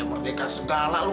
apa merdeka segala lu